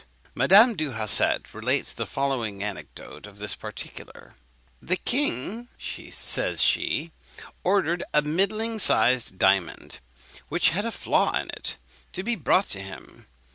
Madame du Hausset relates the following anecdote on this particular: "The king," says she, "ordered a middling sized diamond, which had a flaw in it, to be brought to him.